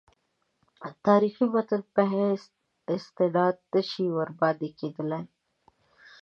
تاریخي متن په حیث استناد نه شي ورباندې کېدلای.